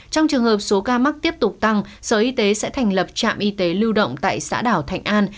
trong trường hợp số ca mắc tiếp tục tăng sở y tế sẽ thành lập trạm y tế lưu động tại xã đảo thạnh an